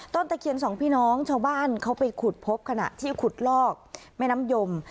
ตะเคียนสองพี่น้องชาวบ้านเขาไปขุดพบขณะที่ขุดลอกแม่น้ำยม